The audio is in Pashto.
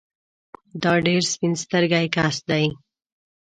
دا ډېر سپين سترګی کس دی